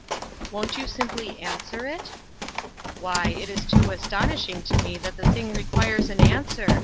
" Won't you simply answer it ?"" Why, it is too astonishing to me that the thing requires an answer!